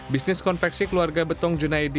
bisnis konveksi keluarga betong junaidi